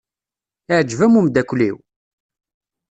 Iɛjeb-am umeddakel-iw?